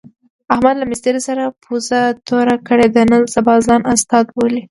احمد له مستري سره پوزه توره کړې ده، نن سبا ځان استاد بولي.